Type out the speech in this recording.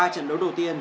ba trận đấu đầu tiên